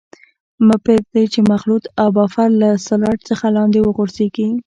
مه پرېږدئ چې مخلوط او بفر له سلایډ څخه لاندې وغورځيږي.